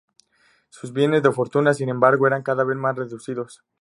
Sus bienes de fortuna, sin embargo, eran cada vez más reducidos.